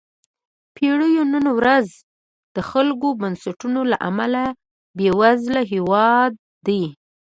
پیرو نن ورځ د خپلو بنسټونو له امله بېوزله هېواد دی.